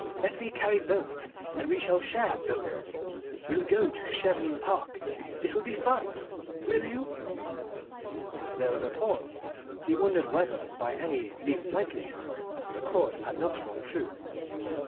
Let me carry both, and we will share both. We'll go to Chevening Park. It will be fun. Will you?" There was a pause: he wondered whether by any least likely chance the chord had not rung true.